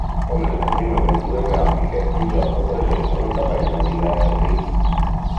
Come nelle prime avventure grafiche, il gioco presenta una tabella di verbi.